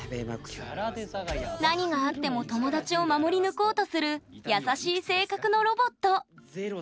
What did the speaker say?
何があっても友達を守り抜こうとする優しい性格のロボット。